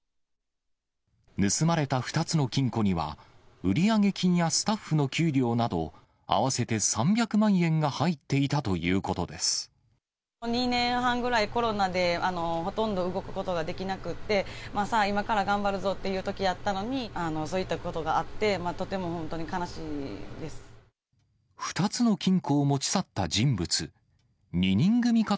盗まれた２つの金庫には、売上金やスタッフの給料など、合わせて３００万円が入っていた２年半ぐらい、コロナでほとんど動くことができなくって、さあ、今から頑張るぞというときやったのに、そういったことがあって、２つの金庫を持ち去った人物。